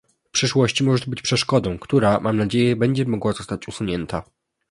W przyszłości może to być przeszkodą, która, mam nadzieję, będzie mogła zostać usunięta